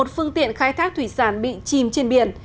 một mươi một phương tiện khai thác thủy sản bị chìm trên biển